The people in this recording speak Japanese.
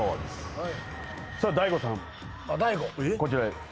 はい。